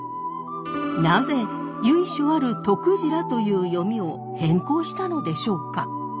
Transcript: なぜ由緒あるとくじらという読みを変更したのでしょうか？